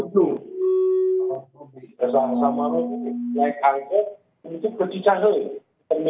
itu bandung berangkat ke cicahe